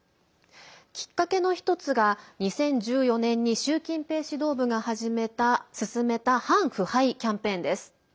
きっかけの１つが２０１４年に習近平指導部が進めた反腐敗キャンペーンです。